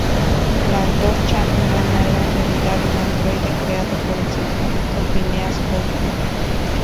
La Antorcha "Humana" era en realidad un androide creado por el científico Phineas Horton.